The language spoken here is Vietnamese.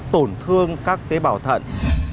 tổn thương các tế bào thận